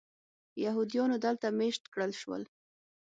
یهودیانو دلته مېشت کړل شول.